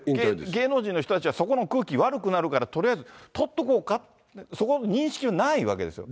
芸能人の人たちはそこの空気悪くなるから、とりあず撮っとこうか、そこの認識はないわけですよ。